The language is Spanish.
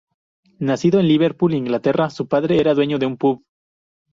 Nacido en Liverpool, Inglaterra, su padre era dueño de un pub.